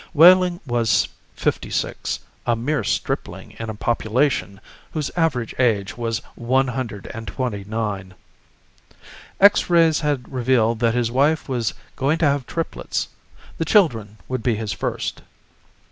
Wehling was fifty six, a mere stripling in a population whose average age was one hundred and twenty nine. X rays had revealed that his wife was going to have triplets. The children would be his first.